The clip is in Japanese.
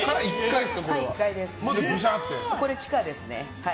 これ、地下ですね。